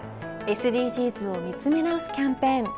ＳＤＧｓを見つめ直すキャンペーン。